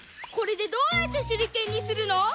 これでどうやってしゅりけんにするの？